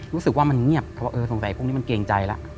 รู้สึกว่ามันเงียบเพราะว่าเออสงสัยพรุ่งนี้มันเกรงใจแล้ว